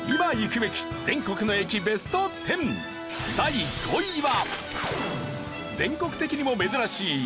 第５位は。